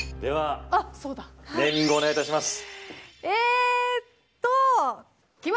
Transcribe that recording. ネーミングをお願いいたします。